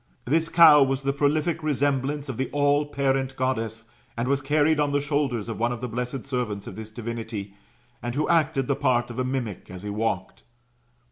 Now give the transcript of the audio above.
This cow was the prolific resemblance oi the alKparent Goddess, and was carried on the shoulders of one of the blessed servants of this divinity, and who acted the part of a mimic as he walked.